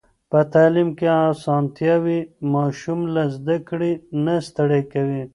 په تعلیم کې اسانتيا وي، ماشوم له زده کړې نه ستړی کوي.